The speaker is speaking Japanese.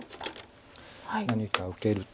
何か受けると。